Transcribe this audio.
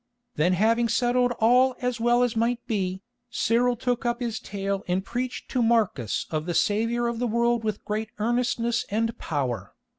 Then having settled all as well as might be, Cyril took up his tale and preached to Marcus of the Saviour of the world with great earnestness and power.